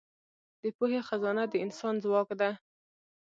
د پوهې خزانه د انسان ځواک ده.